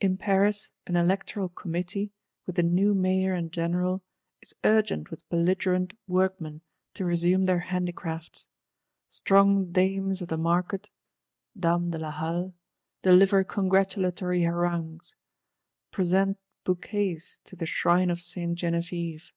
In Paris, an Electoral Committee, with a new Mayor and General, is urgent with belligerent workmen to resume their handicrafts. Strong Dames of the Market (Dames de la Halle) deliver congratulatory harangues; present "bouquets to the Shrine of Sainte Genevieve."